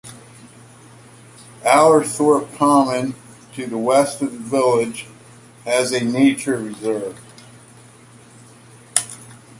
Allerthorpe Common, to the west of the village, has a nature reserve.